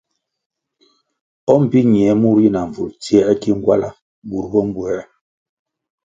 O mbpi ñie mur yi na mbvulʼ tsiē ki ngwala burʼ bo mbwē.